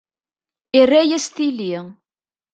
Irra-yas tili.